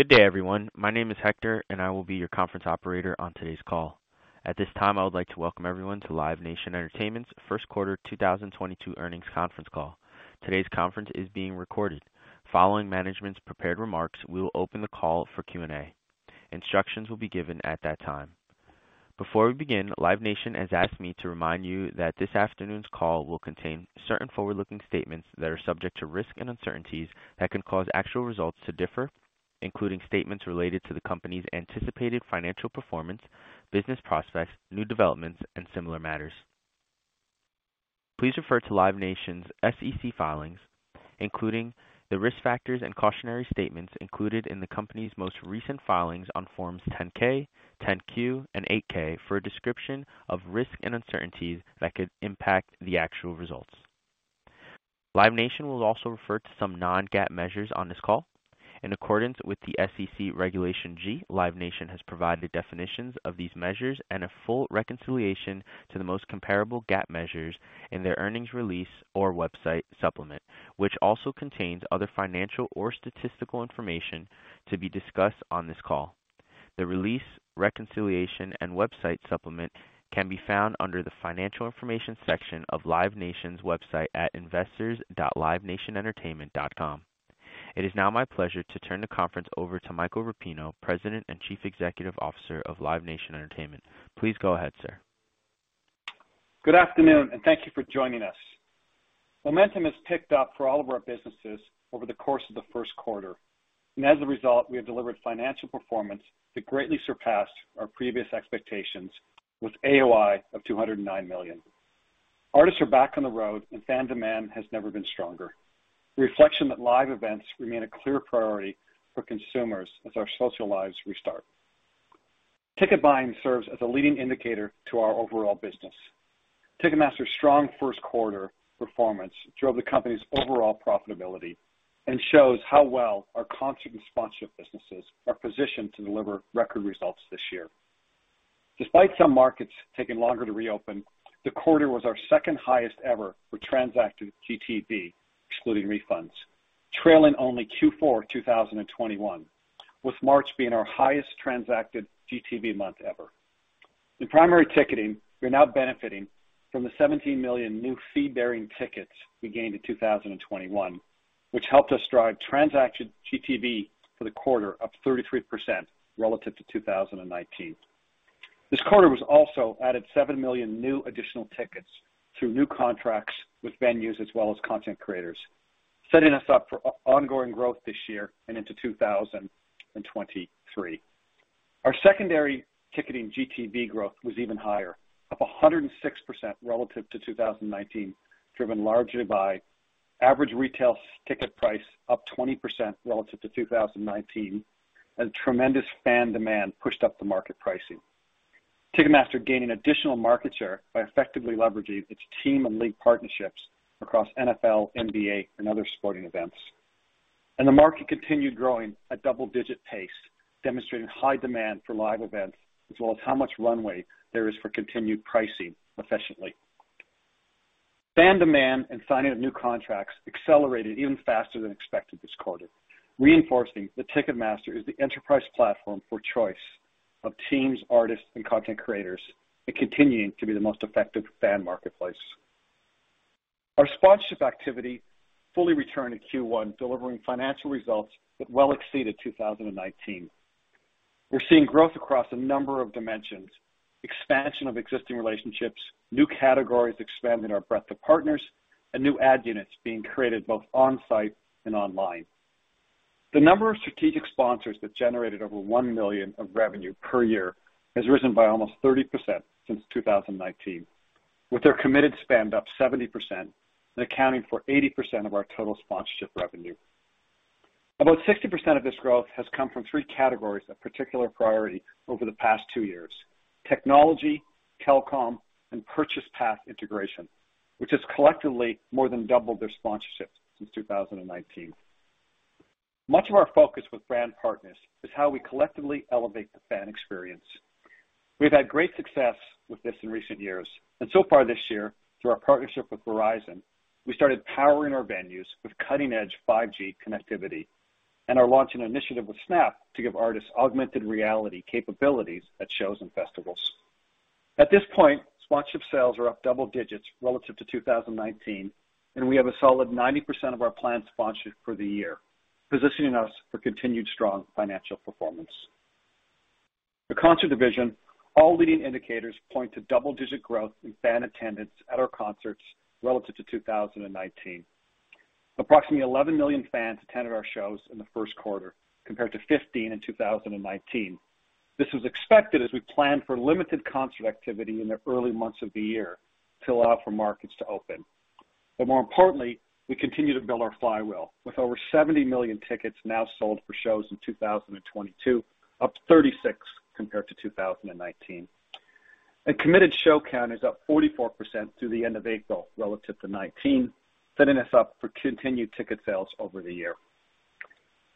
Good day, everyone. My name is Hector, and I will be your conference operator on today's call. At this time, I would like to welcome everyone to Live Nation Entertainment's First Quarter 2022 Earnings Conference Call. Today's conference is being recorded. Following management's prepared remarks, we will open the call for Q&A. Instructions will be given at that time. Before we begin, Live Nation has asked me to remind you that this afternoon's call will contain certain forward-looking statements that are subject to risks and uncertainties that could cause actual results to differ, including statements related to the company's anticipated financial performance, business prospects, new developments, and similar matters. Please refer to Live Nation's SEC filings, including the risk factors and cautionary statements included in the company's most recent filings on Forms 10-K, 10-Q, and 8-K for a description of risks and uncertainties that could impact the actual results. Live Nation will also refer to some non-GAAP measures on this call. In accordance with the SEC Regulation G, Live Nation has provided definitions of these measures and a full reconciliation to the most comparable GAAP measures in their earnings release or website supplement, which also contains other financial or statistical information to be discussed on this call. The release, reconciliation, and website supplement can be found under the Financial Information section of Live Nation's website at investors.livenationentertainment.com. It is now my pleasure to turn the conference over to Michael Rapino, President and Chief Executive Officer of Live Nation Entertainment. Please go ahead, sir. Good afternoon, and thank you for joining us. Momentum has picked up for all of our businesses over the course of the 1st quarter, and as a result, we have delivered financial performance that greatly surpassed our previous expectations with AOI of $209 million. Artists are back on the road, and fan demand has never been stronger, a reflection that live events remain a clear priority for consumers as our social lives restart. Ticket buying serves as a leading indicator to our overall business. Ticketmaster's strong 1st quarter performance drove the company's overall profitability and shows how well our concert and sponsorship businesses are positioned to deliver record results this year. Despite some markets taking longer to reopen, the quarter was our 2nd highest ever for transacted GTV, excluding refunds, trailing only Q4 2021, with March being our highest transacted GTV month ever. In primary ticketing, we're now benefiting from the 17 million new fee-bearing tickets we gained in 2021, which helped us drive transaction GTV for the quarter up 33% relative to 2019. This quarter we also added 7 million new additional tickets through new contracts with venues as well as content creators, setting us up for ongoing growth this year and into 2023. Our 2ndary ticketing GTV growth was even higher, up 106% relative to 2019, driven largely by average retail ticket price up 20% relative to 2019, as tremendous fan demand pushed up the market pricing. Ticketmaster gaining additional market share by effectively leveraging its team and league partnerships across NFL, NBA, and other sporting events. The market continued growing at double-digit pace, demonstrating high demand for live events as well as how much runway there is for continued pricing efficiently. Fan demand and signing of new contracts accelerated even faster than expected this quarter, reinforcing that Ticketmaster is the enterprise platform for choice of teams, artists, and content creators, and continuing to be the most effective fan marketplace. Our sponsorship activity fully returned in Q1, delivering financial results that well exceeded 2019. We're seeing growth across a number of dimensions. Expansion of existing relationships, new categories expanding our breadth of partners, and new ad units being created both on-site and online. The number of strategic sponsors that generated over $1 million of revenue per year has risen by almost 30% since 2019, with their committed spend up 70% and accounting for 80% of our total sponsorship revenue. About 60% of this growth has come from three categories of particular priority over the past two years, technology, telecom, and purchase path integration, which has collectively more than doubled their sponsorships since 2019. Much of our focus with brand partners is how we collectively elevate the fan experience. We've had great success with this in recent years, and so far this year, through our partnership with Verizon, we started powering our venues with cutting-edge 5G connectivity and are launching an initiative with Snap to give artists augmented reality capabilities at shows and festivals. At this point, sponsorship sales are up double digits relative to 2019, and we have a solid 90% of our planned sponsorship for the year, positioning us for continued strong financial performance. The concert division, all leading indicators point to double-digit growth in fan attendance at our concerts relative to 2019. Approximately 11 million fans attended our shows in the 1st quarter, compared to 15 million in 2019. This was expected as we planned for limited concert activity in the early months of the year to allow for markets to open. More importantly, we continue to build our flywheel, with over 70 million tickets now sold for shows in 2022, up 36% compared to 2019. A committed show count is up 44% through the end of April relative to 2019, setting us up for continued ticket sales over the year.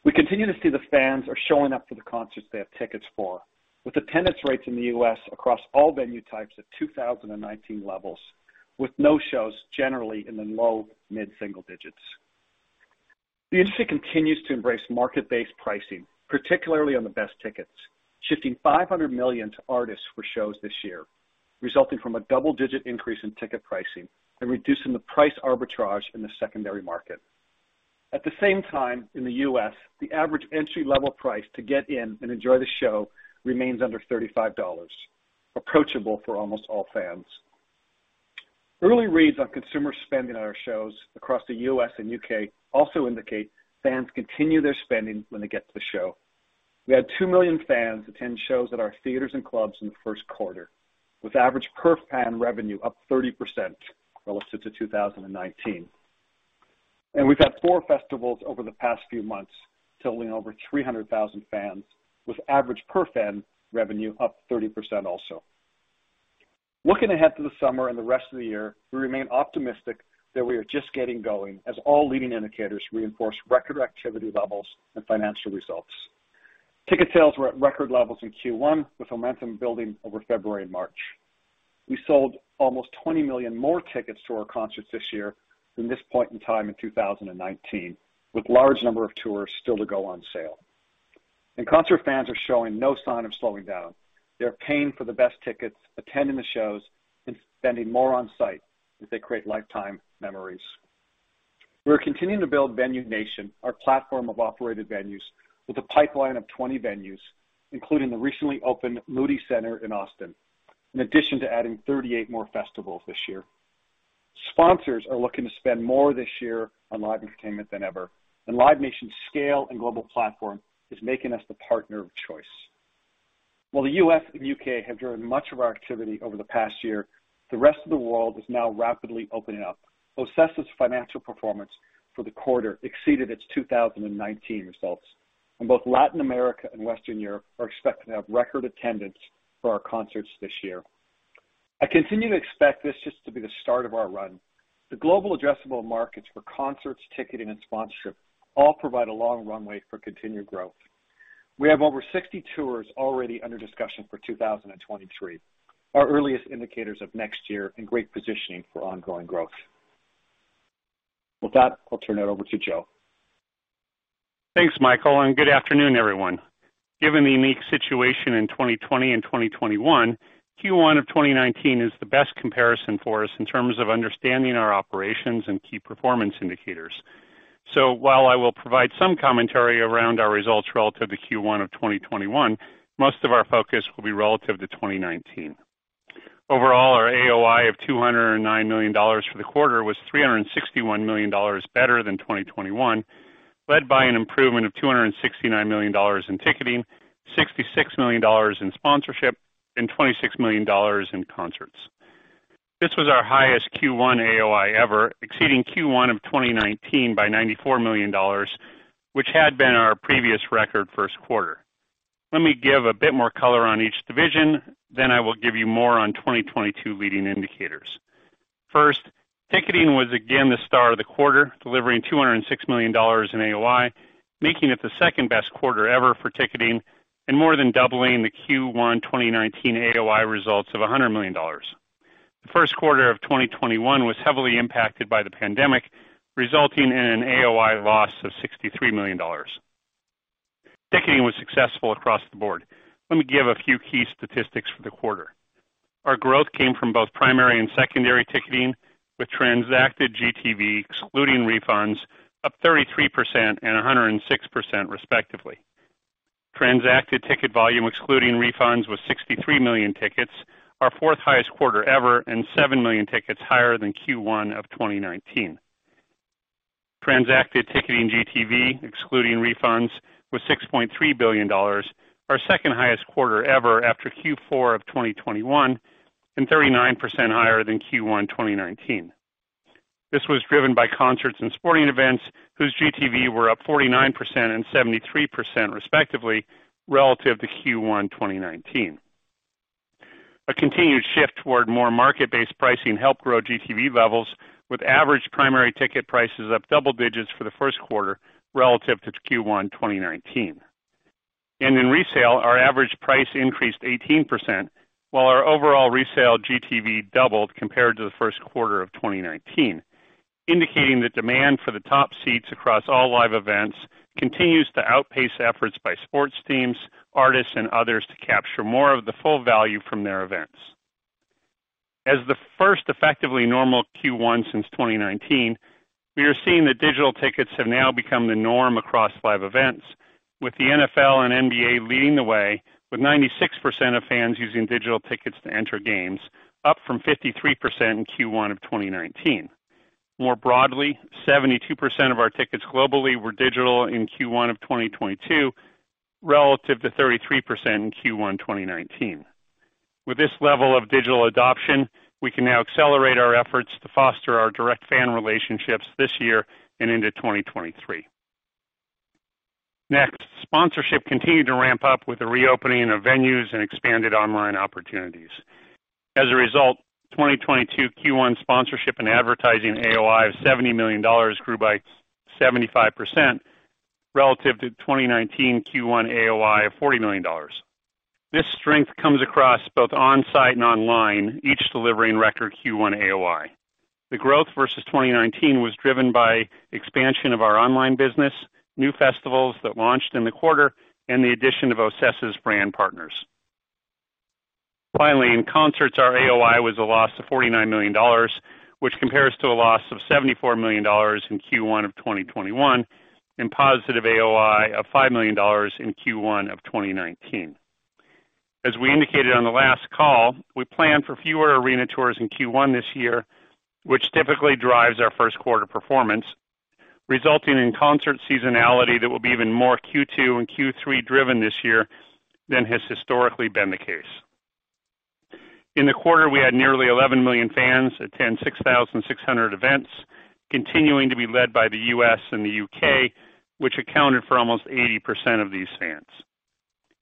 We continue to see the fans are showing up for the concerts they have tickets for, with attendance rates in the U.S. across all venue types at 2019 levels. With no shows generally in the low mid-single digits. The industry continues to embrace market-based pricing, particularly on the best tickets, shifting $500 million to artists for shows this year, resulting from a double-digit increase in ticket pricing and reducing the price arbitrage in the secondary market. At the same time, in the U.S., the average entry-level price to get in and enjoy the show remains under $35, approachable for almost all fans. Early reads on consumer spending on our shows across the U.S. and U.K. also indicate fans continue their spending when they get to the show. We had 2 million fans attend shows at our theaters and clubs in the 1st quarter, with average per fan revenue up 30% relative to 2019. We've had four festivals over the past few months totaling over 300,000 fans, with average per fan revenue up 30% also. Looking ahead to the summer and the rest of the year, we remain optimistic that we are just getting going as all leading indicators reinforce record activity levels and financial results. Ticket sales were at record levels in Q1 with momentum building over February and March. We sold almost 20 million more tickets to our concerts this year than this point in time in 2019, with large number of tours still to go on sale. Concert fans are showing no sign of slowing down. They're paying for the best tickets, attending the shows, and spending more on-site as they create lifetime memories. We're continuing to build Venue Nation, our platform of operated venues, with a pipeline of 20 venues, including the recently opened Moody Center in Austin, in addition to adding 38 more festivals this year. Sponsors are looking to spend more this year on live entertainment than ever, and Live Nation's scale and global platform is making us the partner of choice. While the U.S. and U.K. have driven much of our activity over the past year, the rest of the world is now rapidly opening up. OCESA's financial performance for the quarter exceeded its 2019 results, and both Latin America and Western Europe are expected to have record attendance for our concerts this year. I continue to expect this just to be the start of our run. The global addressable markets for concerts, ticketing, and sponsorship all provide a long runway for continued growth. We have over 60 tours already under discussion for 2023. Our earliest indicators of next year in great positioning for ongoing growth. With that, I'll turn it over to Joe. Thanks, Michael, and good afternoon, everyone. Given the unique situation in 2020 and 2021, Q1 of 2019 is the best comparison for us in terms of understanding our operations and key performance indicators. While I will provide some commentary around our results relative to Q1 of 2021, most of our focus will be relative to 2019. Overall, our AOI of $209 million for the quarter was $361 million better than 2021, led by an improvement of $269 million in ticketing, $66 million in sponsorship, and $26 million in concerts. This was our highest Q1 AOI ever, exceeding Q1 of 2019 by $94 million, which had been our previous record 1st quarter. Let me give a bit more color on each division, then I will give you more on 2022 leading indicators. First, ticketing was again the star of the quarter, delivering $206 million in AOI, making it the 2nd-best quarter ever for ticketing and more than doubling the Q1 2019 AOI results of $100 million. The 1st quarter of 2021 was heavily impacted by the pandemic, resulting in an AOI loss of $63 million. Ticketing was successful across the board. Let me give a few key statistics for the quarter. Our growth came from both primary and secondary ticketing, with transacted GTV excluding refunds up 33% and 106% respectively. Transacted ticket volume excluding refunds was 63 million tickets, our 4th highest quarter ever, and 7 million tickets higher than Q1 of 2019. Transacted ticketing GTV, excluding refunds, was $6.3 billion, our 2nd-highest quarter ever after Q4 of 2021 and 39% higher than Q1 2019. This was driven by concerts and sporting events whose GTV were up 49% and 73% respectively relative to Q1 2019. A continued shift toward more market-based pricing helped grow GTV levels, with average primary ticket prices up double digits for the 1st quarter relative to Q1 2019. In resale, our average price increased 18%, while our overall resale GTV doubled compared to the 1st quarter of 2019, indicating that demand for the top seats across all live events continues to outpace efforts by sports teams, artists, and others to capture more of the full value from their events. As the 1st effectively normal Q1 since 2019, we are seeing that digital tickets have now become the norm across live events, with the NFL and NBA leading the way with 96% of fans using digital tickets to enter games, up from 53% in Q1 of 2019. More broadly, 72% of our tickets globally were digital in Q1 of 2022, relative to 33% in Q1 2019. With this level of digital adoption, we can now accelerate our efforts to foster our direct fan relationships this year and into 2023. Next, sponsorship continued to ramp up with the reopening of venues and expanded online opportunities. As a result, 2022 Q1 sponsorship and advertising AOI of $70 million grew by 75% relative to 2019 Q1 AOI of $40 million. This strength comes across both on-site and online, each delivering record Q1 AOI. The growth versus 2019 was driven by expansion of our online business, new festivals that launched in the quarter, and the addition of OCESA's brand partners. Finally, in concerts, our AOI was a loss of $49 million, which compares to a loss of $74 million in Q1 of 2021 and positive AOI of $5 million in Q1 of 2019. As we indicated on the last call, we plan for fewer arena tours in Q1 this year, which typically drives our 1st quarter performance, resulting in concert seasonality that will be even more Q2 and Q3 driven this year than has historically been the case. In the quarter, we had nearly 11 million fans attend 6,600 events, continuing to be led by the U.S. and the U.K., which accounted for almost 80% of these fans.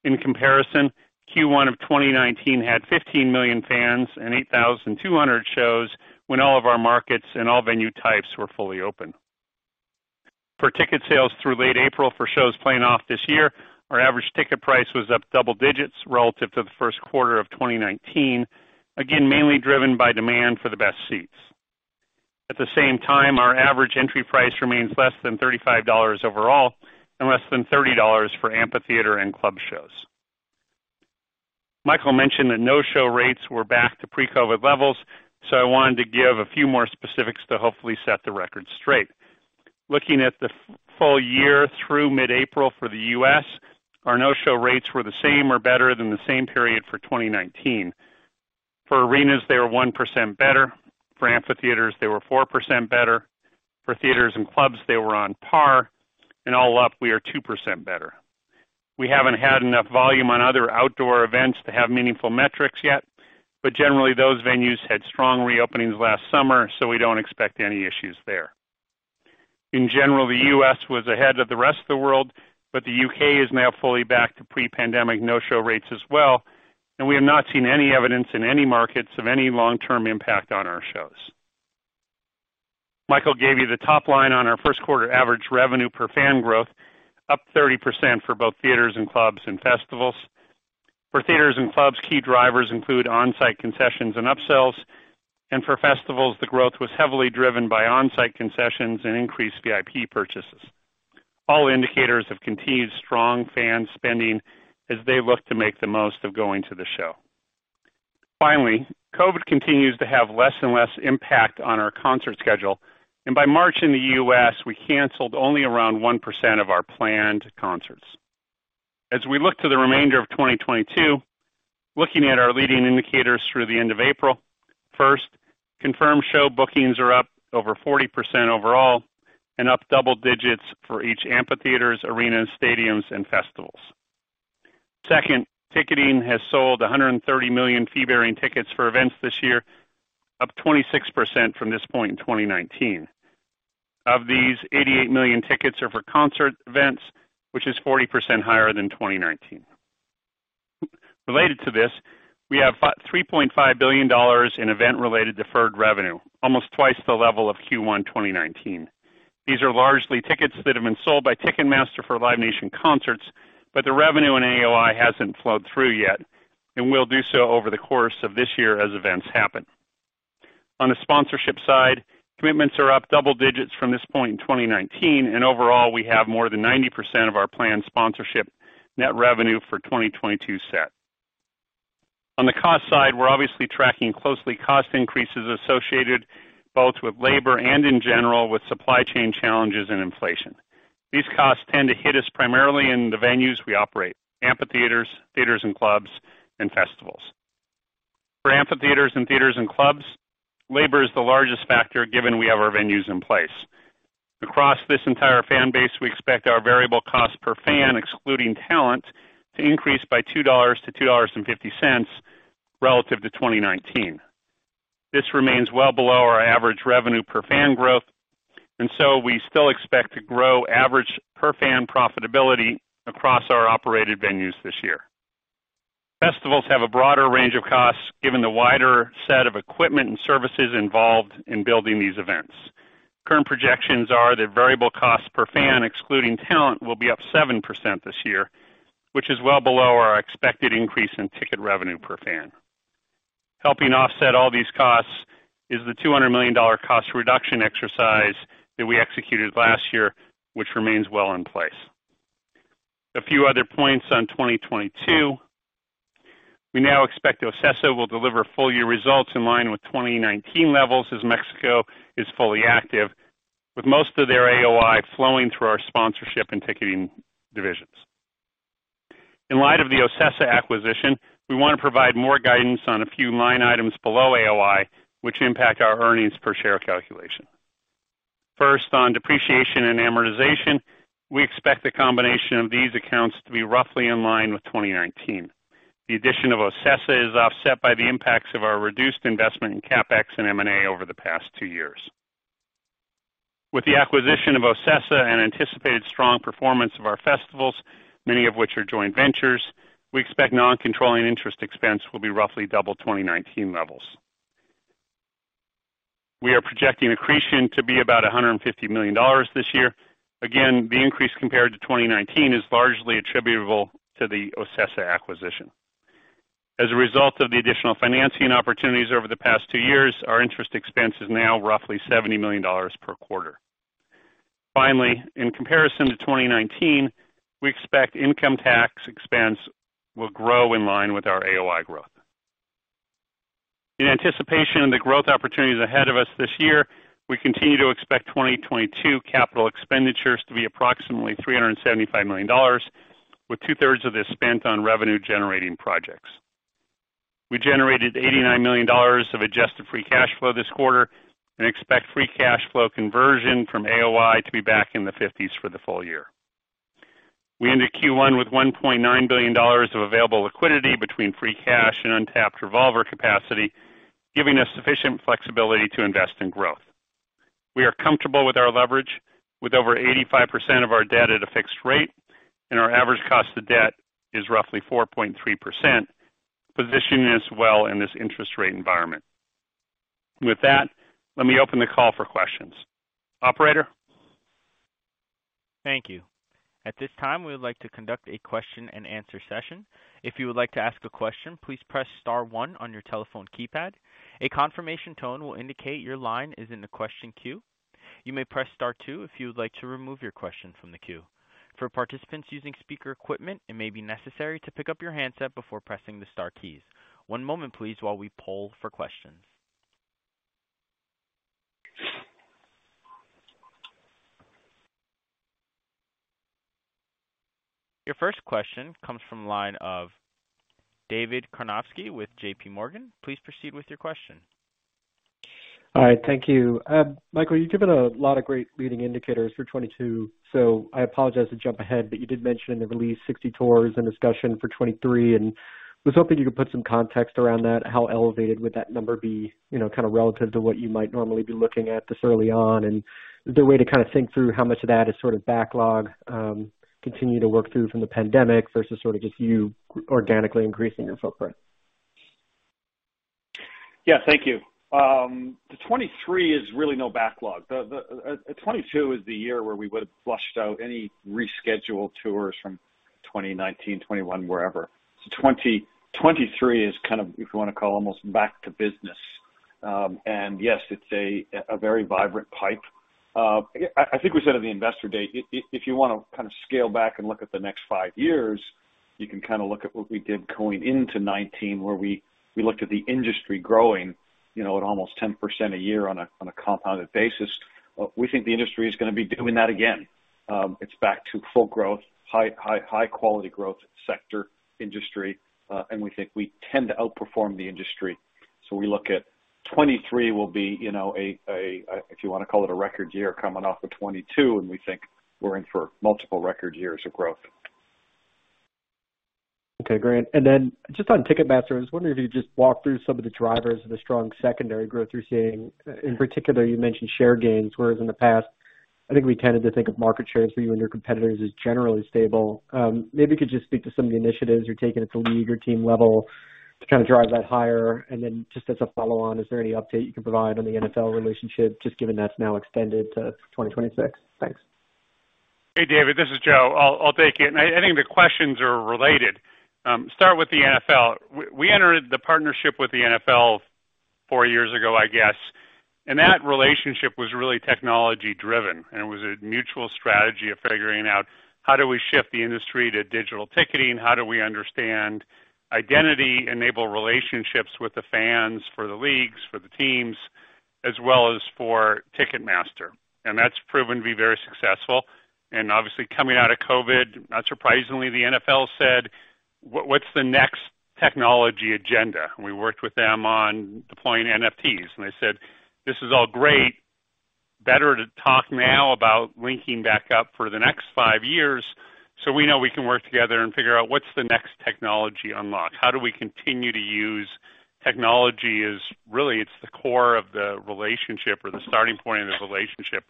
In comparison, Q1 of 2019 had 15 million fans and 8,200 shows when all of our markets and all venue types were fully open. For ticket sales through late April for shows playing off this year, our average ticket price was up double digits relative to the 1st quarter of 2019. Again, mainly driven by demand for the best seats. At the same time, our average entry price remains less than $35 overall and less than $30 for amphitheater and club shows. Michael mentioned that no-show rates were back to pre-COVID levels, so I wanted to give a few more specifics to hopefully set the record straight. Looking at the full year through mid-April for the U.S., our no-show rates were the same or better than the same period for 2019. For arenas, they were 1% better. For amphitheaters, they were 4% better. For theaters and clubs, they were on par. All up, we are 2% better. We haven't had enough volume on other outdoor events to have meaningful metrics yet, but generally, those venues had strong reopenings last summer, so we don't expect any issues there. In general, the U.S. was ahead of the rest of the world, but the U.K. is now fully back to pre-pandemic no-show rates as well, and we have not seen any evidence in any markets of any long-term impact on our shows. Michael gave you the top line on our 1st quarter average revenue per fan growth, up 30% for both theaters and clubs and festivals. For theaters and clubs, key drivers include on-site concessions and upsales. For festivals, the growth was heavily driven by on-site concessions and increased VIP purchases. All indicators have continued strong fan spending as they look to make the most of going to the show. Finally, COVID continues to have less and less impact on our concert schedule, and by March in the U.S., we canceled only around 1% of our planned concerts. As we look to the remainder of 2022, looking at our leading indicators through the end of April, 1st, confirmed show bookings are up over 40% overall and up double digits for each amphitheaters, arenas, stadiums, and festivals. Second, ticketing has sold 130 million fee-bearing tickets for events this year, up 26% from this point in 2019. Of these, 88 million tickets are for concert events, which is 40% higher than 2019. Related to this, we have $3.5 billion in event-related deferred revenue, almost twice the level of Q1 2019. These are largely tickets that have been sold by Ticketmaster for Live Nation concerts, but the revenue in AOI hasn't flowed through yet and will do so over the course of this year as events happen. On the sponsorship side, commitments are up double digits from this point in 2019, and overall, we have more than 90% of our planned sponsorship net revenue for 2022 set. On the cost side, we're obviously tracking closely cost increases associated both with labor and in general with supply chain challenges and inflation. These costs tend to hit us primarily in the venues we operate, amphitheaters, theaters and clubs, and festivals. For amphitheaters and theaters and clubs, labor is the largest factor given we have our venues in place. Across this entire fan base, we expect our variable cost per fan, excluding talent, to increase by $2-$2.50 relative to 2019. This remains well below our average revenue per fan growth, and so we still expect to grow average per fan profitability across our operated venues this year. Festivals have a broader range of costs given the wider set of equipment and services involved in building these events. Current projections are that variable costs per fan, excluding talent, will be up 7% this year, which is well below our expected increase in ticket revenue per fan. Helping offset all these costs is the $200 million cost reduction exercise that we executed last year, which remains well in place. A few other points on 2022. We now expect OCESA will deliver full year results in line with 2019 levels as Mexico is fully active, with most of their AOI flowing through our sponsorship and ticketing divisions. In light of the OCESA acquisition, we want to provide more guidance on a few line items below AOI, which impact our earnings per share calculation. First, on depreciation and amortization, we expect a combination of these accounts to be roughly in line with 2019. The addition of OCESA is offset by the impacts of our reduced investment in CapEx and M&A over the past two years. With the acquisition of OCESA and anticipated strong performance of our festivals, many of which are joint ventures, we expect non-controlling interest expense will be roughly double 2019 levels. We are projecting accretion to be about $150 million this year. Again, the increase compared to 2019 is largely attributable to the OCESA acquisition. As a result of the additional financing opportunities over the past two years, our interest expense is now roughly $70 million per quarter. Finally, in comparison to 2019, we expect income tax expense will grow in line with our AOI growth. In anticipation of the growth opportunities ahead of us this year, we continue to expect 2022 capital expenditures to be approximately $375 million, with 2/3 of this spent on revenue-generating projects. We generated $89 million of adjusted free cash flow this quarter and expect free cash flow conversion from AOI to be back in the 50% for the full year. We ended Q1 with $1.9 billion of available liquidity between free cash and untapped revolver capacity, giving us sufficient flexibility to invest in growth. We are comfortable with our leverage with over 85% of our debt at a fixed rate, and our average cost of debt is roughly 4.3%, positioning us well in this interest rate environment. With that, let me open the call for questions. Operator? Thank you. At this time, we would like to conduct a question and answer session. If you would like to ask a question, please press star one on your telephone keypad. A confirmation tone will indicate your line is in the question queue. You may press star two if you would like to remove your question from the queue. For participants using speaker equipment, it may be necessary to pick up your handset before pressing the star keys. One moment please while we poll for questions. Your 1st question comes from the line of David Karnovsky with J.P. Morgan. Please proceed with your question. All right. Thank you. Michael, you've given a lot of great leading indicators for 2022, so I apologize to jump ahead, but you did mention in the release 60 tours in discussion for 2023, and I was hoping you could put some context around that. How elevated would that number be, you know, kinda relative to what you might normally be looking at this early on? And is there a way to kinda think through how much of that is sort of backlog, continue to work through from the pandemic versus sort of just you organically increasing your footprint? Yeah. Thank you. 2023 is really no backlog. 2022 is the year where we would've flushed out any rescheduled tours from 2019, 2021, wherever. 2023 is kind of, if you wanna call, almost back to business. Yes, it's a very vibrant pipe. I think we said at the investor day, if you wanna kind of scale back and look at the next five years, you can kinda look at what we did going into 2019, where we looked at the industry growing, you know, at almost 10% a year on a compounded basis. We think the industry is gonna be doing that again. It's back to full growth, high quality growth sector industry, and we think we tend to outperform the industry. We look at 2023 will be, you know, if you wanna call it a record year coming off of 2022, and we think we're in for multiple record years of growth. Okay, great. Just on Ticketmaster, I was wondering if you could just walk through some of the drivers of the strong secondary growth you're seeing. In particular, you mentioned share gains, whereas in the past, I think we tended to think of market shares for you and your competitors as generally stable. Maybe you could just speak to some of the initiatives you're taking at the league or team level to kinda drive that higher. Just as a follow-on, is there any update you can provide on the NFL relationship, just given that's now extended to 2026? Thanks. Hey, David, this is Joe. I'll take it. I think the questions are related. Start with the NFL. We entered the partnership with the NFL four years ago, I guess, and that relationship was really technology-driven, and it was a mutual strategy of figuring out how do we shift the industry to digital ticketing? How do we understand identity-enabled relationships with the fans, for the leagues, for the teams, as well as for Ticketmaster? That's proven to be very successful. Obviously coming out of COVID, not surprisingly, the NFL said, "What's the next technology agenda?" We worked with them on deploying NFTs, and they said, "This is all great. Better to talk now about linking back up for the next five years so we know we can work together and figure out what's the next technology unlock. How do we continue to use technology as really it's the core of the relationship or the starting point of the relationship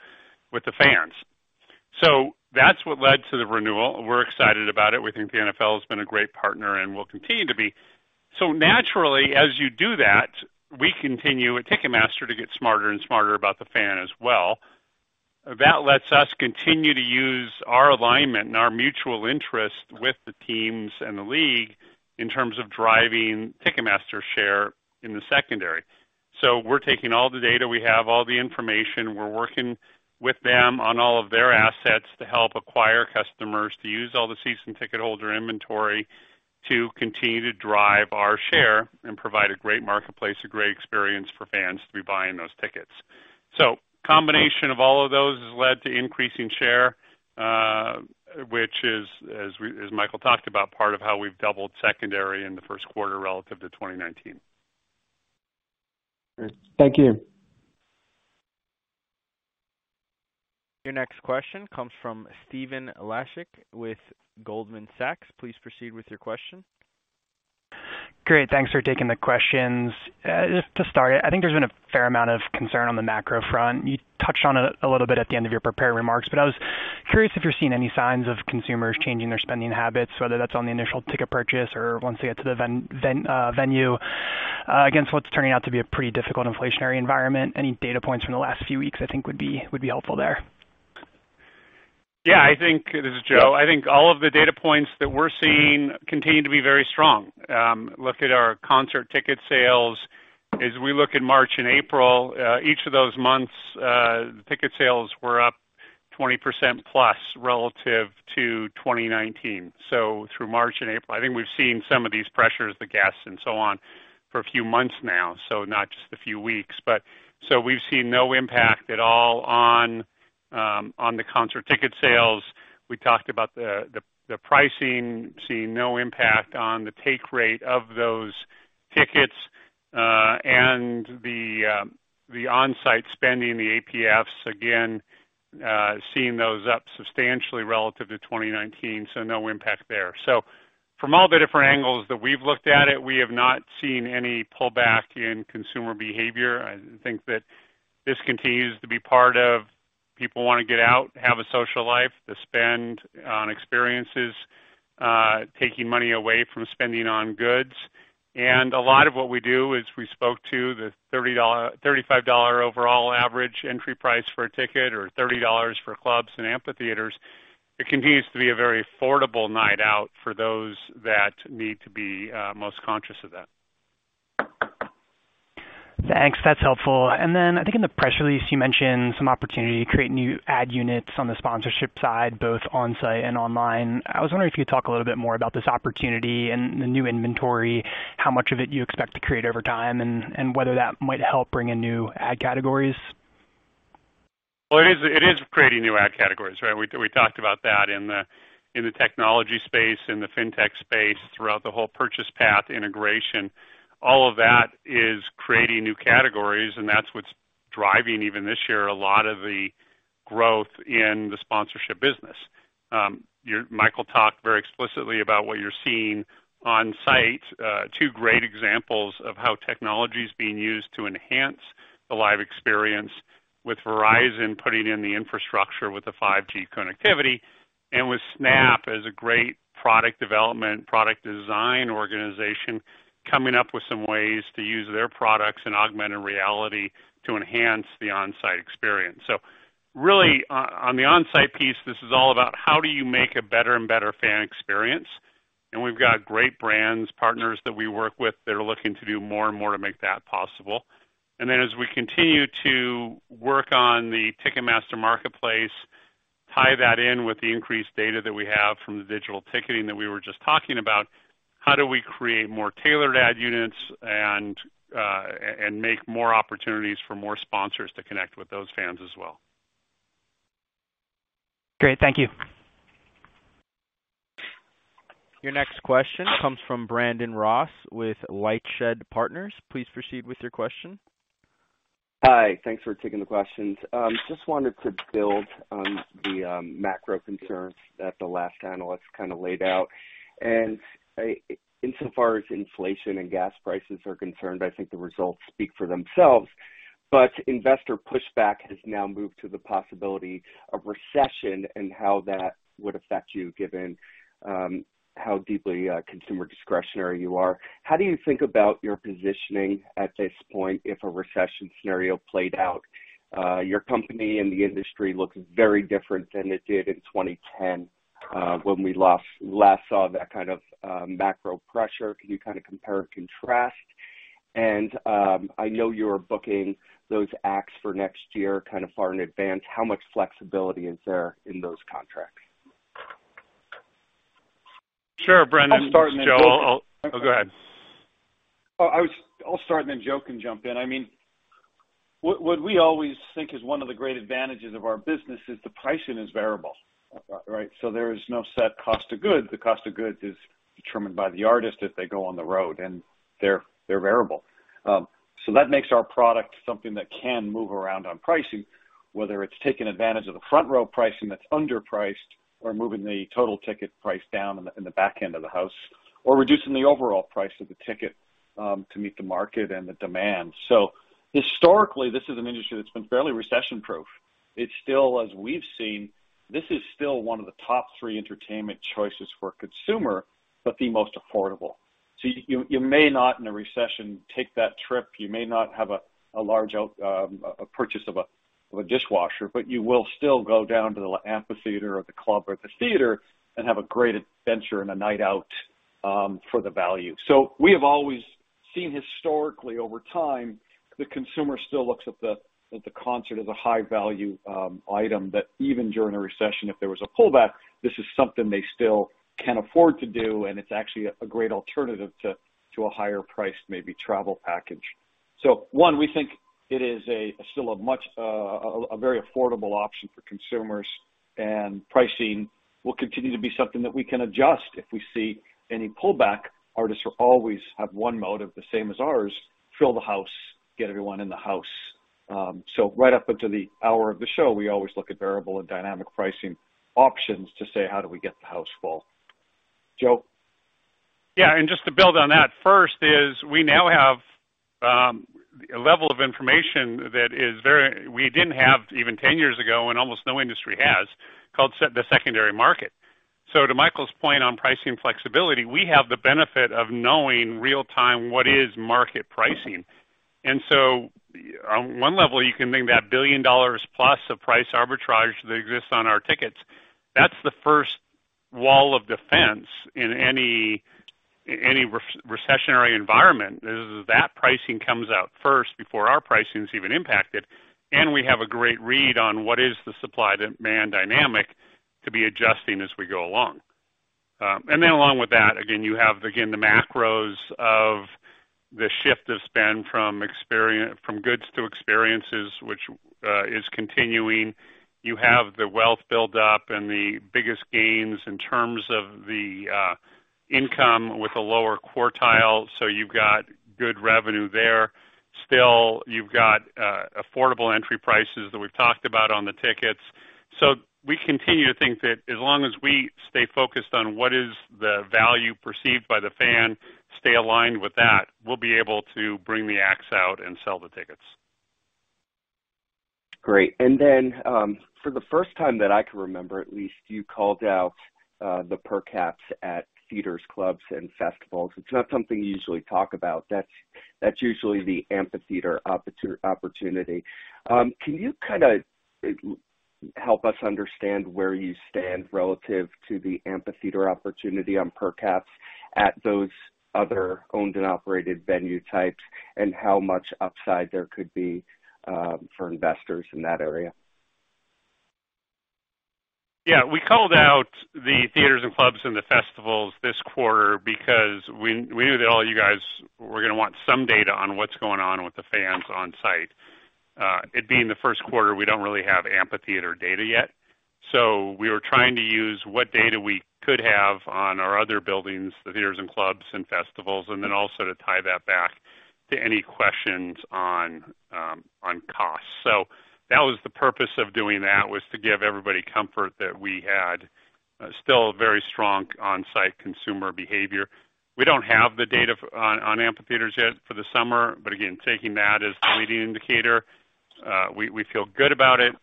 with the fans." That's what led to the renewal. We're excited about it. We think the NFL has been a great partner and will continue to be. Naturally, as you do that, we continue at Ticketmaster to get smarter and smarter about the fan as well. That lets us continue to use our alignment and our mutual interest with the teams and the league in terms of driving Ticketmaster share in the secondary. We're taking all the data we have, all the information, we're working with them on all of their assets to help acquire customers to use all the season ticket holder inventory to continue to drive our share and provide a great marketplace, a great experience for fans to be buying those tickets. Combination of all of those has led to increasing share, which is, as Michael talked about, part of how we've doubled 2ndary in the 1st quarter relative to 2019. Great. Thank you. Your next question comes from Stephen Laszczyk with Goldman Sachs. Please proceed with your question. Great. Thanks for taking the questions. Just to start, I think there's been a fair amount of concern on the macro front. You touched on it a little bit at the end of your prepared remarks, but I was curious if you're seeing any signs of consumers changing their spending habits, whether that's on the initial ticket purchase or once they get to the venue against what's turning out to be a pretty difficult inflationary environment. Any data points from the last few weeks, I think would be helpful there. I think this is Joe. I think all of the data points that we're seeing continue to be very strong. Look at our concert ticket sales. As we look in March and April, each of those months, the ticket sales were up 20%+ relative to 2019. Through March and April. I think we've seen some of these pressures, the gas and so on, for a few months now. Not just a few weeks, but. We've seen no impact at all on the concert ticket sales. We talked about the pricing, seeing no impact on the take rate of those tickets, and the on-site spending, the APF, again, seeing those up substantially relative to 2019, so no impact there. From all the different angles that we've looked at it, we have not seen any pullback in consumer behavior. I think that this continues to be part of people wanna get out, have a social life, to spend on experiences, taking money away from spending on goods. A lot of what we do is we spoke to the $35 overall average entry price for a ticket or $30 for clubs and amphitheaters. It continues to be a very affordable night out for those that need to be most conscious of that. Thanks. That's helpful. Then I think in the press release, you mentioned some opportunity to create new ad units on the sponsorship side, both on-site and online. I was wondering if you could talk a little bit more about this opportunity and the new inventory, how much of it you expect to create over time, and whether that might help bring in new ad categories. Well, it is creating new ad categories, right? We talked about that in the technology space, in the fintech space, throughout the whole purchase path integration. All of that is creating new categories, and that's what's driving, even this year, a lot of the growth in the sponsorship business. You, Michael talked very explicitly about what you're seeing on site. Two great examples of how technology is being used to enhance the live experience with Verizon putting in the infrastructure with the 5G connectivity and with Snap as a great product development, product design organization, coming up with some ways to use their products and augmented reality to enhance the on-site experience. Really on the on-site piece, this is all about how do you make a better and better fan experience. We've got great brands, partners that we work with that are looking to do more and more to make that possible. Then as we continue to work on the Ticketmaster Marketplace, tie that in with the increased data that we have from the digital ticketing that we were just talking about, how do we create more tailored ad units and make more opportunities for more sponsors to connect with those fans as well. Great. Thank you. Your next question comes from Brandon Ross with LightShed Partners. Please proceed with your question. Hi. Thanks for taking the questions. Just wanted to build on the macro concerns that the last analyst kinda laid out. Insofar as inflation and gas prices are concerned, I think the results speak for themselves, but investor pushback has now moved to the possibility of recession and how that would affect you, given how deeply consumer discretionary you are. How do you think about your positioning at this point if a recession scenario played out? Your company and the industry looks very different than it did in 2010, when we last saw that kind of macro pressure. Can you kinda compare and contrast? I know you're booking those acts for next year kinda far in advance. How much flexibility is there in those contracts? Sure, Brandon. I'll start. Joe. Oh, go ahead. I'll start, and then Joe can jump in. I mean, what we always think is one of the great advantages of our business is the pricing is variable, right? There is no set cost of goods. The cost of goods is determined by the artist if they go on the road, and they're variable. That makes our product something that can move around on pricing, whether it's taking advantage of the front-row pricing that's underpriced or moving the total ticket price down in the back end of the house, or reducing the overall price of the ticket to meet the market and the demand. Historically, this is an industry that's been fairly recession-proof. It's still, as we've seen, this is still one of the top three entertainment choices for a consumer, but the most affordable. You may not, in a recession, take that trip. You may not have a large purchase of a dishwasher, but you will still go down to the amphitheater or the club or the theater and have a great adventure and a night out for the value. We have always seen historically over time, the consumer still looks at the concert as a high-value item that even during a recession, if there was a pullback, this is something they still can afford to do, and it's actually a great alternative to a higher priced, maybe travel package. One, we think it is still a very affordable option for consumers, and pricing will continue to be something that we can adjust if we see any pullback. Artists will always have one motive, the same as ours: fill the house, get everyone in the house. Right up until the hour of the show, we always look at variable and dynamic pricing options to say, how do we get the house full? Joe? Yeah. Just to build on that, 1st is we now have a level of information that we didn't have even 10 years ago, and almost no industry has, called the secondary market. To Michael's point on pricing flexibility, we have the benefit of knowing real-time what is market pricing. On one level, you can think that $1 billion+ of price arbitrage that exists on our tickets, that's the 1st wall of defense in any recessionary environment is that pricing comes out 1st before our pricing is even impacted. We have a great read on what is the supply demand dynamic to be adjusting as we go along. Along with that, again, you have, again, the macros of the shift that's been from goods to experiences, which is continuing. You have the wealth buildup and the biggest gains in terms of the income with a lower quartile. You've got good revenue there. Still, you've got affordable entry prices that we've talked about on the tickets. We continue to think that as long as we stay focused on what is the value perceived by the fan, stay aligned with that, we'll be able to bring the acts out and sell the tickets. Great. For the 1st time that I can remember, at least you called out the per caps at theaters, clubs and festivals. It's not something you usually talk about. That's usually the amphitheater opportunity. Can you kinda help us understand where you stand relative to the amphitheater opportunity on per caps at those other owned and operated venue types, and how much upside there could be for investors in that area? Yeah. We called out the theaters and clubs and the festivals this quarter because we knew that all you guys were gonna want some data on what's going on with the fans on-site. It being the 1st quarter, we don't really have amphitheater data yet, so we were trying to use what data we could have on our other buildings, the theaters and clubs and festivals, and then also to tie that back to any questions on costs. That was the purpose of doing that, was to give everybody comfort that we had still a very strong on-site consumer behavior. We don't have the data on amphitheaters yet for the summer, but again, taking that as the leading indicator, we feel good about it,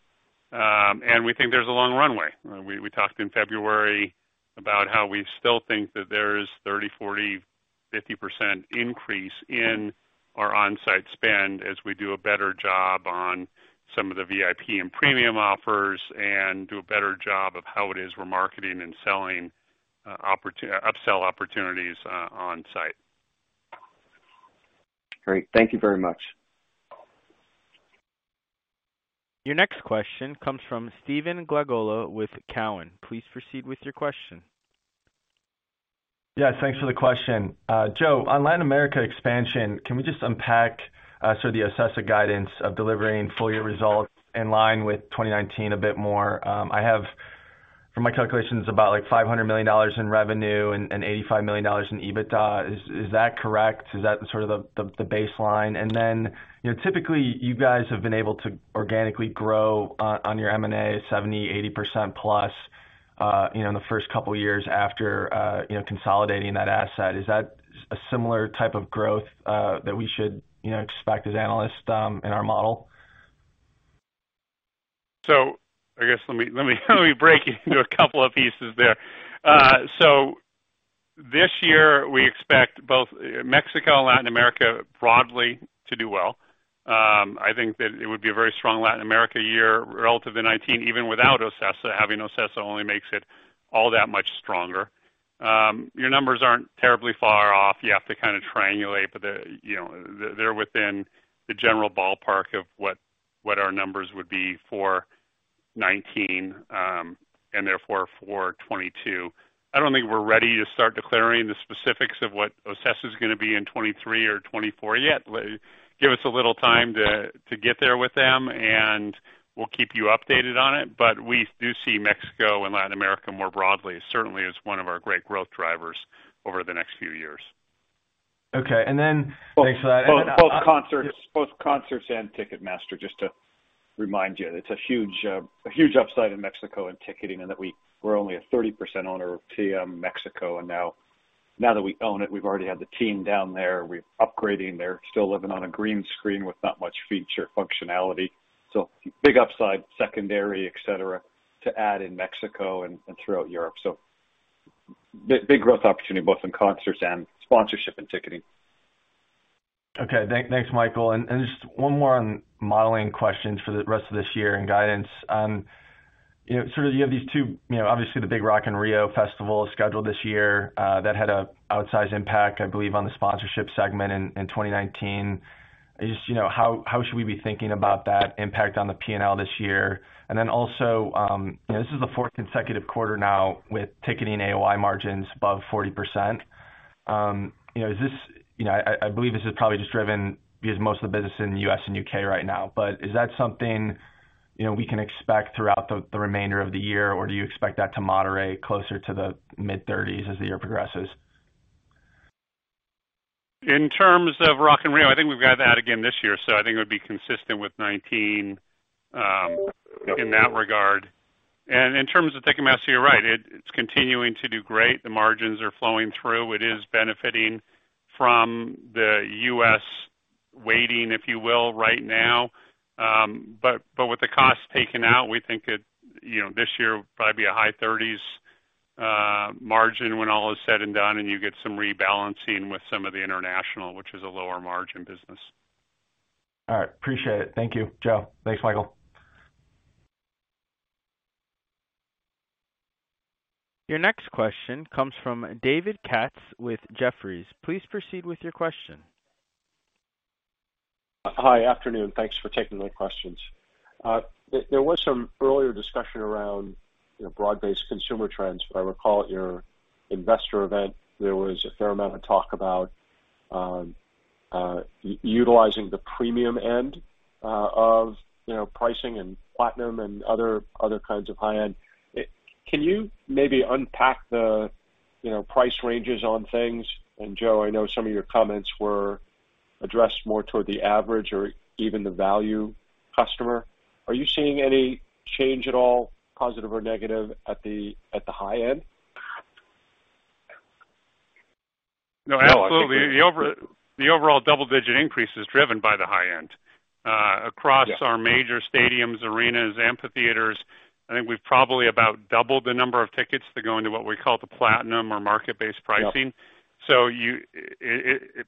and we think there's a long runway. We talked in February about how we still think that there's a 30%, 40%, 50% increase in our on-site spend as we do a better job on some of the VIP and premium offers and do a better job of how it is we're marketing and selling upsell opportunities on-site. Great. Thank you very much. Your next question comes from Stephen Glagola with Cowen. Please proceed with your question. Yes, thanks for the question. Joe, on Latin America expansion, can we just unpack sort of the OCESA guidance of delivering full year results in line with 2019 a bit more? I have from my calculations about like $500 million in revenue and $85 million in EBITDA. Is that correct? Is that sort of the baseline? Then, you know, typically you guys have been able to organically grow on your M&A 70%-80%+, you know, in the 1st couple of years after, you know, consolidating that asset. Is that a similar type of growth that we should, you know, expect as analysts in our model? I guess let me break it into a couple of pieces there. This year we expect both Mexico and Latin America broadly to do well. I think that it would be a very strong Latin America year relative to 2019 even without OCESA. Having OCESA only makes it all that much stronger. Your numbers aren't terribly far off. You have to kind of triangulate, but they're, you know, they're within the general ballpark of what our numbers would be for 2019, and therefore for 2022. I don't think we're ready to start declaring the specifics of what OCESA is gonna be in 2023 or 2024 yet. Give us a little time to get there with them and we'll keep you updated on it. We do see Mexico and Latin America more broadly, certainly as one of our great growth drivers over the next few years. Okay. Thanks for that. Both Concerts and Ticketmaster, just to remind you, it's a huge upside in Mexico and ticketing, and that we're only a 30% owner of Ticketmaster Mexico. Now that we own it, we've already had the team down there. We're upgrading. They're still living on a green screen with not much feature functionality. Big upside, secondary, et cetera, to add in Mexico and throughout Europe. Big growth opportunity both in concerts and sponsorship and ticketing. Okay. Thanks, Michael. Just one more on modeling questions for the rest of this year and guidance. You know, sort of you have these two, you know, obviously the big Rock in Rio festival is scheduled this year, that had an outsized impact, I believe, on the sponsorship segment in 2019. You know, how should we be thinking about that impact on the P&L this year? Then also, you know, this is the 4th consecutive quarter now with ticketing AOI margins above 40%. You know, is this you know I believe this is probably just driven because most of the business is in the U.S. and U.K. right now. Is that something, you know, we can expect throughout the remainder of the year, or do you expect that to moderate closer to the mid-thirties as the year progresses? In terms of Rock in Rio, I think we've got that again this year, so I think it would be consistent with 2019 in that regard. In terms of Ticketmaster, you're right. It's continuing to do great. The margins are flowing through. It is benefiting from the U.S. weighting, if you will, right now. But with the cost taken out, we think it, you know, this year will probably be a high 30% margin when all is said and done, and you get some rebalancing with some of the international, which is a lower margin business. All right. Appreciate it. Thank you, Joe. Thanks, Michael. Your next question comes from David Katz with Jefferies. Please proceed with your question. Hi. Afternoon. Thanks for taking my questions. There was some earlier discussion around, you know, broad-based consumer trends. If I recall, at your investor event, there was a fair amount of talk about utilizing the premium end of, you know, pricing and Platinum and other kinds of high-end. Can you maybe unpack the, you know, price ranges on things? Joe, I know some of your comments were addressed more toward the average or even the value customer. Are you seeing any change at all, positive or negative at the high end? No, absolutely. The overall double-digit increase is driven by the high end. Yeah. Across our major stadiums, arenas, amphitheaters, I think we've probably about doubled the number of tickets that go into what we call the Platinum or market-based pricing. Yep.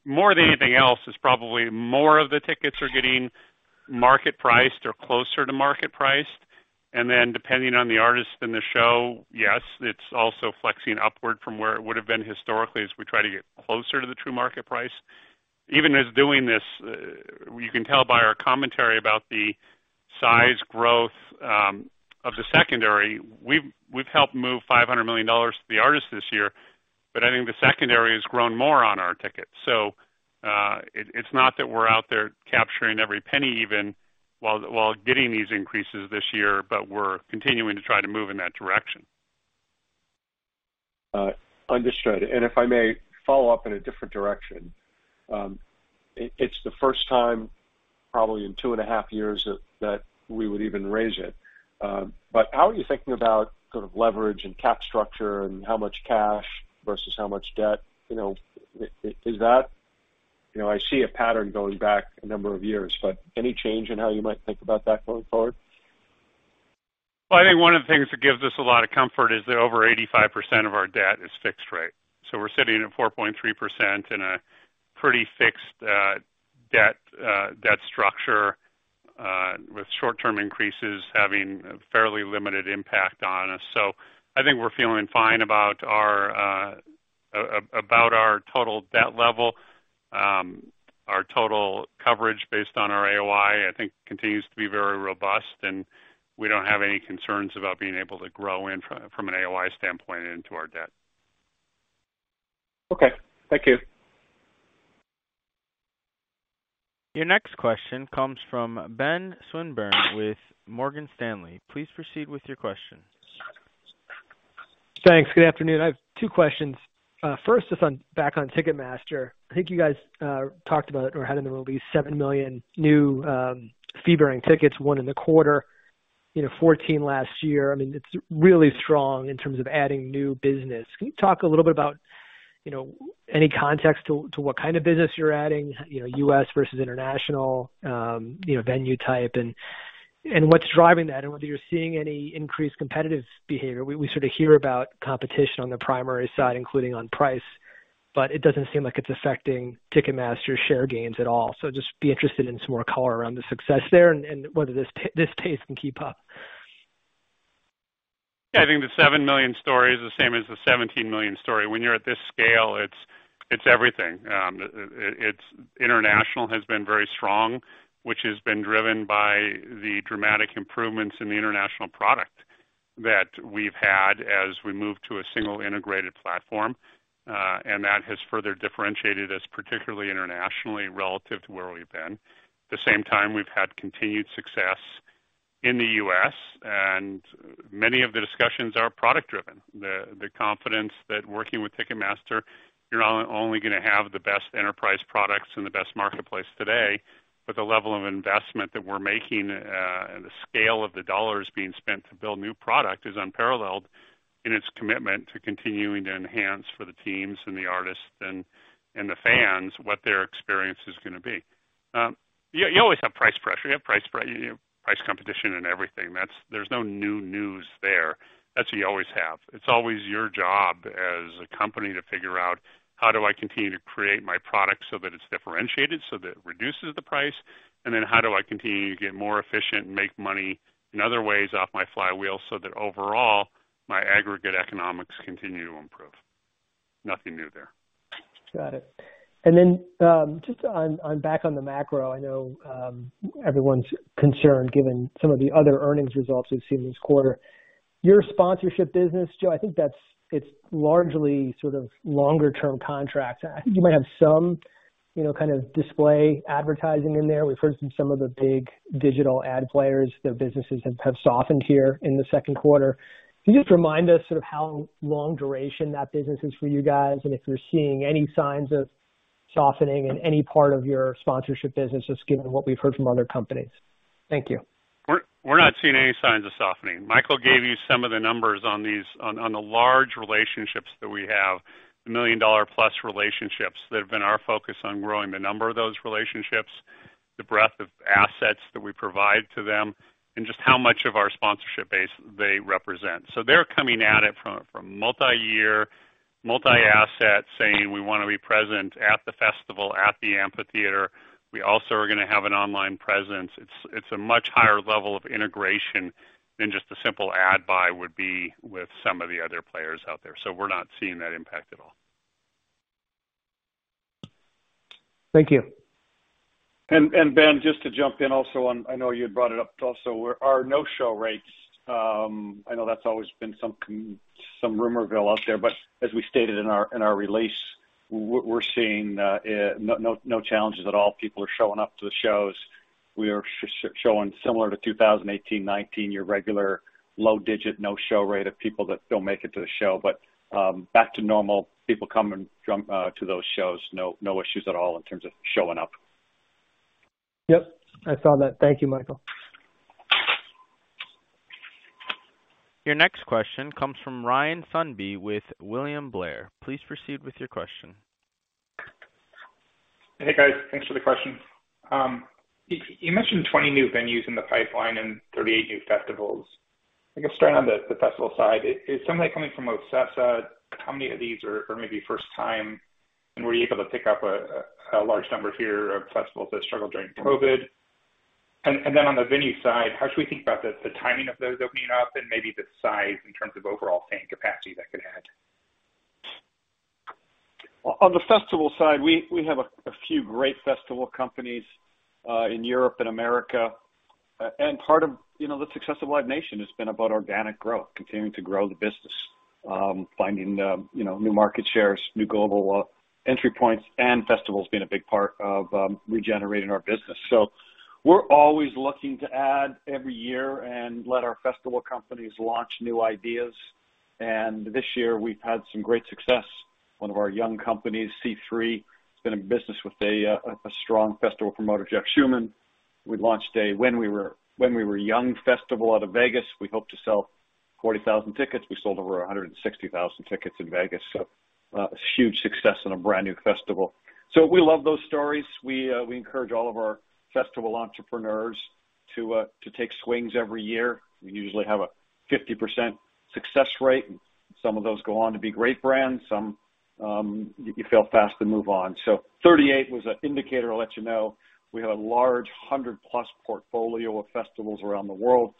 More than anything else, it's probably more of the tickets are getting market priced or closer to market priced. Then depending on the artist and the show, yes, it's also flexing upward from where it would have been historically as we try to get closer to the true market price. Even as doing this, you can tell by our commentary about the size growth of the secondary. We've helped move $500 million to the artist this year, but I think the secondary has grown more on our tickets. It's not that we're out there capturing every penny even while getting these increases this year, but we're continuing to try to move in that direction. Understood. If I may follow up in a different direction. It's the 1st time probably in two and a half years that we would even raise it. How are you thinking about sort of leverage and cap structure and how much cash versus how much debt? You know, I see a pattern going back a number of years, but any change in how you might think about that going forward? Well, I think one of the things that gives us a lot of comfort is that over 85% of our debt is fixed rate. We're sitting at 4.3% in a pretty fixed debt structure with short-term increases having a fairly limited impact on us. I think we're feeling fine about our total debt level. Our total coverage based on our AOI, I think continues to be very robust, and we don't have any concerns about being able to grow in from an AOI standpoint into our debt. Okay. Thank you. Your next question comes from Ben Swinburne with Morgan Stanley. Please proceed with your question. Thanks. Good afternoon. I have two questions. First, just on, back on Ticketmaster. I think you guys talked about or had in the release 7 million new fee-bearing tickets, one in the quarter, you know, 14 last year. I mean, it's really strong in terms of adding new business. Can you talk a little bit about, you know, any context to what kind of business you're adding, you know, U.S. versus international, you know, venue type and what's driving that and whether you're seeing any increased competitive behavior. We sort of hear about competition on the primary side, including on price, but it doesn't seem like it's affecting Ticketmaster share gains at all. Just be interested in some more color around the success there and whether this pace can keep up. I think the 7 million story is the same as the 17 million story. When you're at this scale, it's everything. International has been very strong, which has been driven by the dramatic improvements in the international product that we've had as we move to a single integrated platform. And that has further differentiated us, particularly internationally relative to where we've been. At the same time we've had continued success in the U.S., and many of the discussions are product-driven. The confidence that working with Ticketmaster, you're not only gonna have the best enterprise products and the best marketplace today, but the level of investment that we're making, and the scale of the dollars being spent to build new product is unparalleled in its commitment to continuing to enhance for the teams and the artists and the fans what their experience is gonna be. You always have price pressure. You have price competition and everything. There's no new news there. That you always have. It's always your job as a company to figure out, how do I continue to create my product so that it's differentiated so that it reduces the price? How do I continue to get more efficient and make money in other ways off my flywheel so that overall my aggregate economics continue to improve? Nothing new there. Got it. Just back on the macro, I know everyone's concerned given some of the other earnings results we've seen this quarter. Your sponsorship business, Joe, I think that's, it's largely sort of longer term contracts. I think you might have some, you know, kind of display advertising in there. We've heard from some of the big digital ad players, their businesses have softened here in the 2nd quarter. Can you just remind us sort of how long duration that business is for you guys, and if you're seeing any signs of softening in any part of your sponsorship businesses, given what we've heard from other companies? Thank you. We're not seeing any signs of softening. Michael gave you some of the numbers on the large relationships that we have, the million-dollar-plus relationships that have been our focus on growing the number of those relationships, the breadth of assets that we provide to them, and just how much of our sponsorship base they represent. They're coming at it from multi-year, multi-asset saying, we wanna be present at the festival, at the amphitheater. We also are gonna have an online presence. It's a much higher level of integration than just a simple ad buy would be with some of the other players out there. We're not seeing that impact at all. Thank you. Ben, just to jump in also on, I know you had brought it up also, where our no-show rates. I know that's always been some concern, some rumor mill out there, but as we stated in our release, we're seeing no challenges at all. People are showing up to the shows. We are showing similar to 2018, 2019, our regular low single-digit no-show rate of people that don't make it to the show. Back to normal, people come and turn up to those shows. No issues at all in terms of showing up. Yep. I saw that. Thank you, Michael. Your next question comes from Ryan Sundby with William Blair. Please proceed with your question. Hey, guys. Thanks for the question. You mentioned 20 new venues in the pipeline and 38 new festivals. I guess starting on the festival side, is some of that coming from OCESA? How many of these are maybe 1st time? Were you able to pick up a large number here of festivals that struggled during COVID? Then on the venue side, how should we think about the timing of those opening up and maybe the size in terms of overall fan capacity that could add? On the festival side, we have a few great festival companies in Europe and America. Part of you know the success of Live Nation has been about organic growth, continuing to grow the business, finding you know new market shares, new global entry points, and festivals being a big part of regenerating our business. We're always looking to add every year and let our festival companies launch new ideas. This year, we've had some great success. One of our young companies, C3, has been in business with a strong festival promoter, Jeff Cuellar. We launched a When We Were Young Festival out of Vegas. We hoped to sell 40,000 tickets. We sold over 160,000 tickets in Vegas. A huge success in a brand-new festival. We love those stories. We encourage all of our festival entrepreneurs to take swings every year. We usually have a 50% success rate. Some of those go on to be great brands. Some you fail fast and move on. Thirty-eight was an indicator to let you know we have a large 100-plus portfolio of festivals around the world.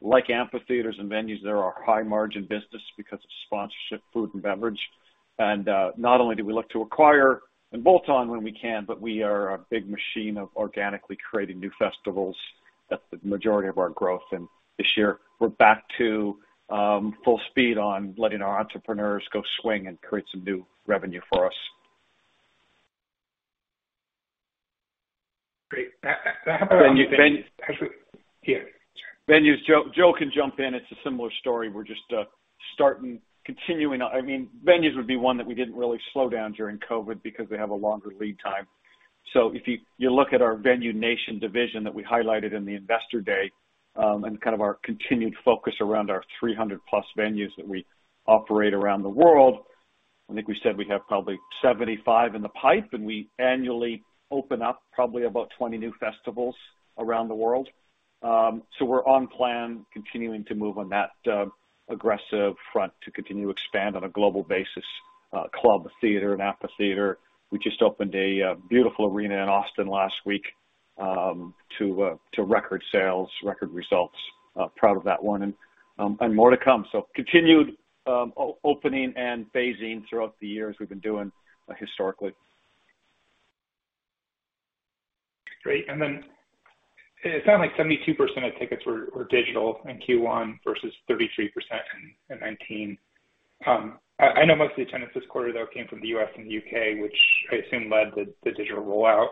Like amphitheaters and venues, they are a high margin business because of sponsorship, food and beverage. Not only do we look to acquire and bolt on when we can, but we are a big machine of organically creating new festivals. That's the majority of our growth. This year, we're back to full speed on letting our entrepreneurs go swing and create some new revenue for us. Great. How about on venues? Venues. Yeah. Venues, Joe can jump in. It's a similar story. We're just continuing. I mean, venues would be one that we didn't really slow down during COVID because they have a longer lead time. If you look at our Venue Nation division that we highlighted in the Investor Day, and kind of our continued focus around our 300 plus venues that we operate around the world, I think we said we have probably 75 in the pipe, and we annually open up probably about 20 new festivals around the world. We're on plan, continuing to move on that aggressive front to continue to expand on a global basis, club, theater, and amphitheater. We just opened a beautiful arena in Austin last week to record sales, record results. Proud of that one and more to come. Continued opening and phasing throughout the years we've been doing historically. Great. Then it sounded like 72% of tickets were digital in Q1 versus 33% in 2019. I know most of the attendance this quarter, though, came from the U.S. and the U.K., which I assume led the digital rollout.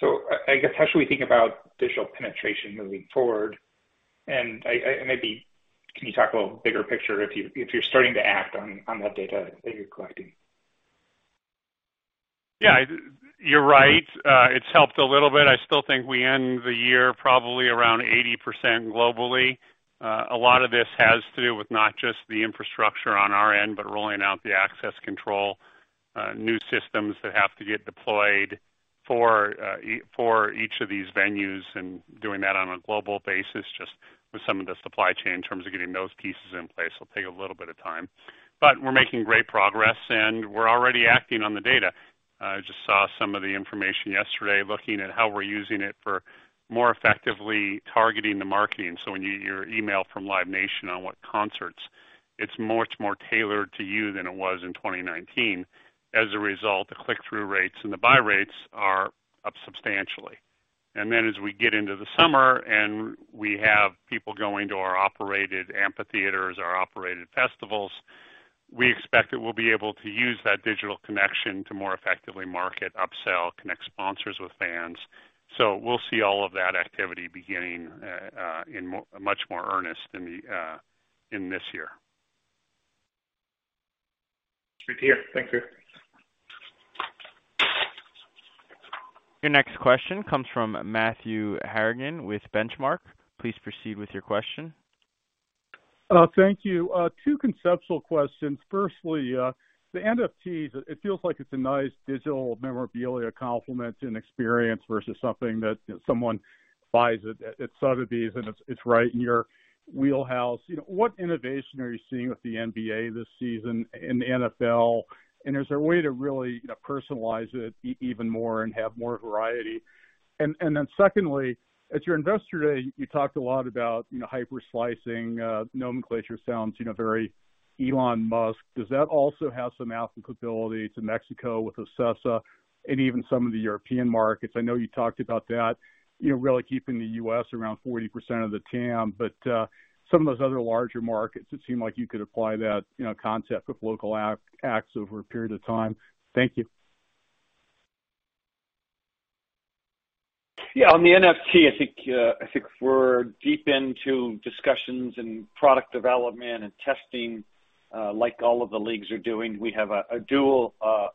So I guess, how should we think about digital penetration moving forward? Maybe can you talk a little bigger picture if you're starting to act on that data that you're collecting? Yeah. You're right. It's helped a little bit. I still think we end the year probably around 80% globally. A lot of this has to do with not just the infrastructure on our end, but rolling out the access control new systems that have to get deployed for each of these venues and doing that on a global basis, just with some of the supply chain in terms of getting those pieces in place will take a little bit of time. But we're making great progress, and we're already acting on the data. I just saw some of the information yesterday looking at how we're using it for more effectively targeting the marketing. When you get your email from Live Nation on what concerts, it's much more tailored to you than it was in 2019. As a result, the click-through rates and the buy rates are up substantially. As we get into the summer and we have people going to our operated amphitheaters, our operated festivals, we expect that we'll be able to use that digital connection to more effectively market, upsell, connect sponsors with fans. We'll see all of that activity beginning in much more earnest in this year. Good to hear. Thank you. Your next question comes from Matthew Harrigan with Benchmark. Please proceed with your question. Thank you. Two conceptual questions. Firstly, the NFTs, it feels like it's a nice digital memorabilia complement and experience versus something that, you know, someone buys it at Sotheby's, and it's right in your wheelhouse. You know, what innovation are you seeing with the NBA this season, and the NFL, and is there a way to really, you know, personalize it even more and have more variety? And then secondly, at your Investor Day, you talked a lot about, you know, hyper slicing, nomenclature sounds, you know, very Elon Musk. Does that also have some applicability to Mexico with OCESA and even some of the European markets? I know you talked about that, you know, really keeping the U.S around 40% of the TAM, but some of those other larger markets, it seemed like you could apply that, you know, concept of local acts over a period of time. Thank you. Yeah. On the NFT, I think we're deep into discussions and product development and testing, like all of the leagues are doing. We have a dual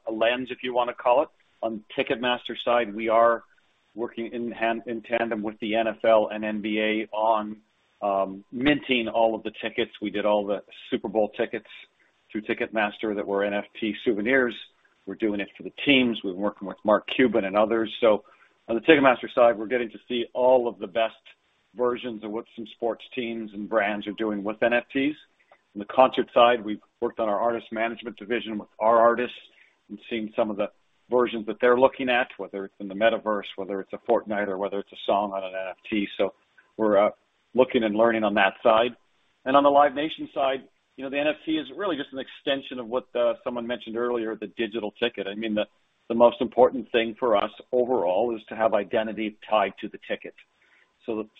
lens, if you wanna call it. On Ticketmaster's side, we are working hand in hand, in tandem with the NFL and NBA on minting all of the tickets. We did all the Super Bowl tickets through Ticketmaster that were NFT souvenirs. We're doing it for the teams. We've been working with Mark Cuban and others. On the Ticketmaster side, we're getting to see all of the best versions of what some sports teams and brands are doing with NFTs. On the concert side, we've worked on our artist management division with our artists and seen some of the versions that they're looking at, whether it's in the metaverse, whether it's a Fortnite or whether it's a song on an NFT. We're looking and learning on that side. On the Live Nation side, you know, the NFT is really just an extension of what someone mentioned earlier, the digital ticket. I mean, the most important thing for us overall is to have identity tied to the ticket.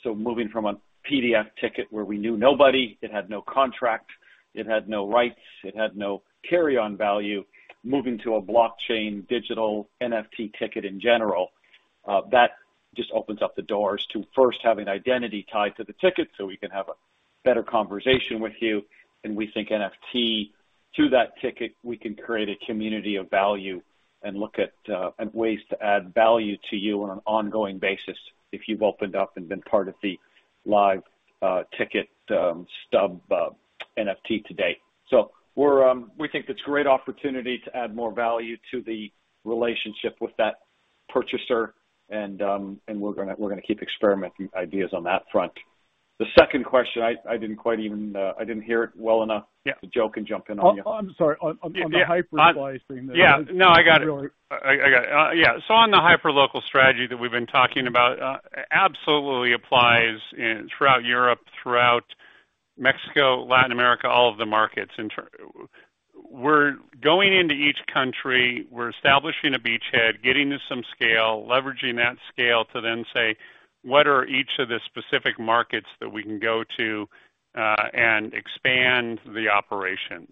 Moving from a PDF ticket where we knew nobody, it had no contract, it had no rights, it had no carry-on value, moving to a blockchain digital NFT ticket in general, that just opens up the doors to 1st having identity tied to the ticket so we can have a better conversation with you. We think NFT to that ticket, we can create a community of value and look at ways to add value to you on an ongoing basis if you've opened up and been part of the live ticket stub NFT today. So we think it's a great opportunity to add more value to the relationship with that purchaser, and we're gonna keep experimenting ideas on that front. The 2nd question, I didn't quite even hear it well enough. Yeah. Joe can jump in on you. Oh, I'm sorry. On the hyper slicing there. Yeah. No, I got it. Yeah. On the hyperlocal strategy that we've been talking about, absolutely applies throughout Europe, throughout Mexico, Latin America, all of the markets. We're going into each country, we're establishing a beachhead, getting to some scale, leveraging that scale to then say, "What are each of the specific markets that we can go to, and expand the operation?"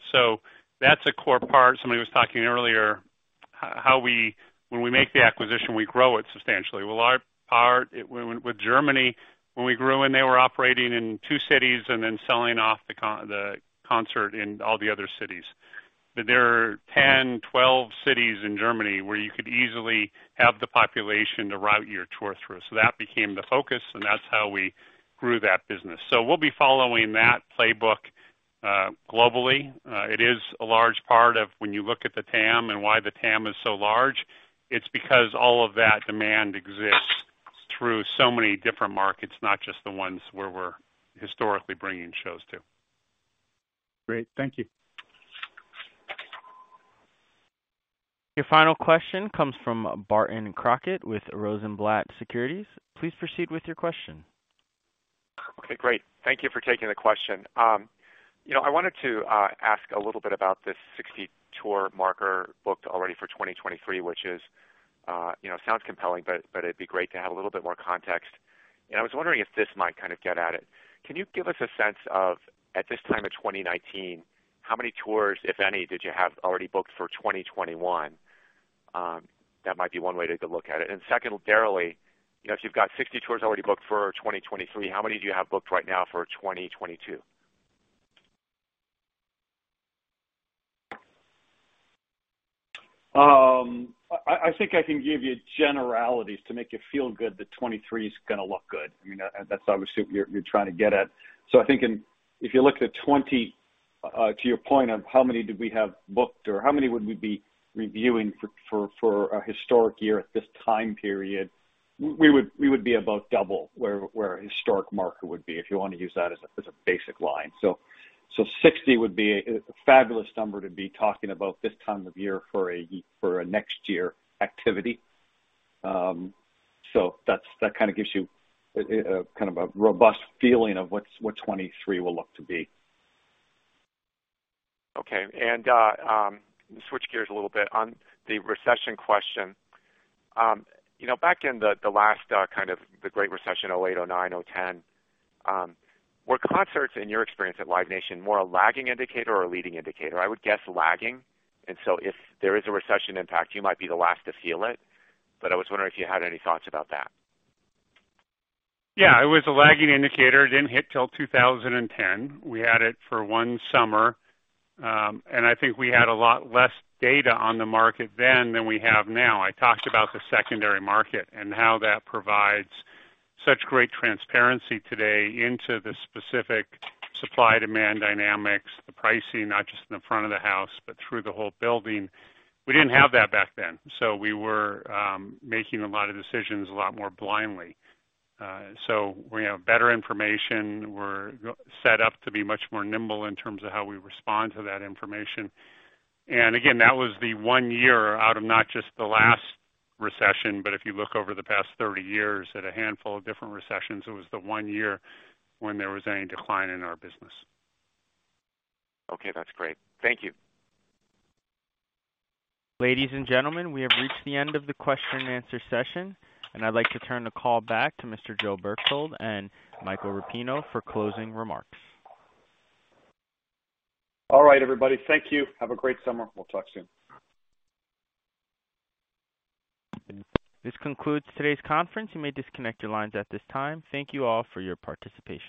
That's a core part. Somebody was talking earlier, how we, when we make the acquisition, we grow it substantially. Well, our part with Germany, when we grew and they were operating in two cities and then selling off the concert in all the other cities. There are 10, 12 cities in Germany where you could easily have the population to route your tour through. That became the focus, and that's how we grew that business. We'll be following that playbook globally. It is a large part of when you look at the TAM and why the TAM is so large, it's because all of that demand exists through so many different markets, not just the ones where we're historically bringing shows to. Great. Thank you. Your final question comes from Barton Crockett with Rosenblatt Securities. Please proceed with your question. Okay, great. Thank you for taking the question. You know, I wanted to ask a little bit about this 60-tour mark booked already for 2023, which is, you know, sounds compelling, but it'd be great to have a little bit more context. I was wondering if this might kind of get at it. Can you give us a sense of, at this time in 2019, how many tours, if any, did you have already booked for 2021? That might be one way to look at it. Secondarily, you know, if you've got 60 tours already booked for 2023, how many do you have booked right now for 2022? I think I can give you generalities to make you feel good that 2023's gonna look good. You know, that's obviously what you're trying to get at. I think, to your point of how many did we have booked or how many would we be reviewing for a historic year at this time period, we would be about double where a historic market would be, if you wanna use that as a basic line. 60 would be a fabulous number to be talking about this time of year for a next year activity. That kinda gives you kind of a robust feeling of what 2023 will look to be. Okay. Switch gears a little bit on the recession question. You know, back in the last kind of the great recession, 2008, 2009, 2010, were concerts, in your experience at Live Nation, more a lagging indicator or a leading indicator? I would guess lagging. If there is a recession impact, you might be the last to feel it. I was wondering if you had any thoughts about that. Yeah. It was a lagging indicator. It didn't hit till 2010. We had it for one summer. I think we had a lot less data on the market then than we have now. I talked about the secondary market and how that provides such great transparency today into the specific supply-demand dynamics, the pricing, not just in the front of the house, but through the whole building. We didn't have that back then, so we were making a lot of decisions a lot more blindly. We have better information. We're set up to be much more nimble in terms of how we respond to that information. Again, that was the one year out of not just the last recession, but if you look over the past 30 years at a handful of different recessions, it was the one year when there was any decline in our business. Okay. That's great. Thank you. Ladies and gentlemen, we have reached the end of the question and answer session, and I'd like to turn the call back to Mr. Joe Berchtold and Michael Rapino for closing remarks. All right, everybody. Thank you. Have a great summer. We'll talk soon. This concludes today's conference. You may disconnect your lines at this time. Thank you all for your participation.